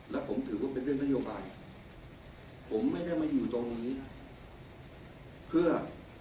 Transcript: และผมถือว่าเป็นเรื่องนโยบายผมไม่ได้มาอยู่ตรงนี้เพื่อ